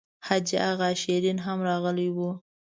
حاجي اغا شېرین هم راغلی و.